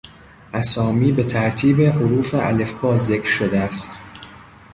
اسامی به ترتیب حروف الفبا ذکر شده است.